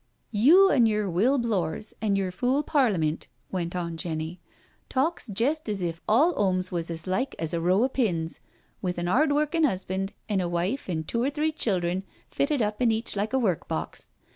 *• You an' yer Will Blores an* yer fool Parliment,'* went on Jenny, '* talks jest as if all 'omes was as like as a row o' pins, with an 'ard workin' husband an' a wife an' two or three children fitted up in each like a workboz.